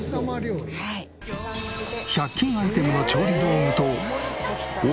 １００均アイテムの調理道具とお